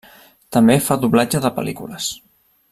També fa doblatge de pel·lícules.